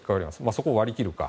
そこを割り切るか。